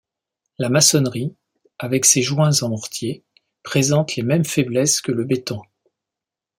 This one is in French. La maçonnerie, avec ses joints en mortier, présente les mêmes faiblesses que le béton.